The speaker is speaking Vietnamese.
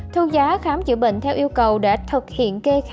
thu giá khám chữa bệnh theo yêu cầu để thực hiện kê khai với sở y tế